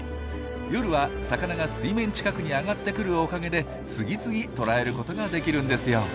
夜は魚が水面近くに上がってくるおかげで次々捕らえることができるんですよ。